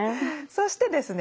そしてですね